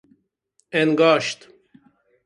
انگاشت